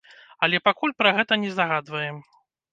Але пакуль пра гэта не загадваем.